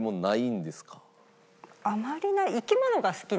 あまりない。